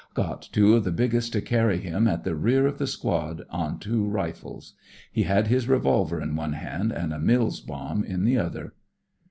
Got two of the biggest to carry him at the rear of the squad on two rifles. He had his revolver in one hand and a Mills bomb in the other.